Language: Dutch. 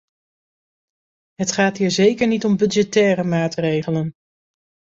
Het gaat hier zeker niet om budgettaire maatregelen.